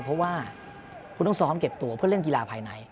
เพราะว่าคุณต้องซ้อมเก็บตัวเพื่อเล่นกีฬาภายใน